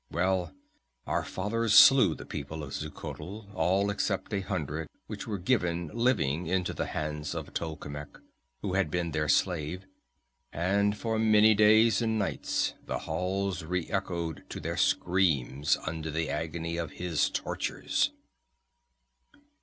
"Well, our fathers slew the people of Xuchotl, all except a hundred which were given living into the hands of Tolkemec, who had been their slave; and for many days and nights the halls re echoed to their screams under the agony of his tortures.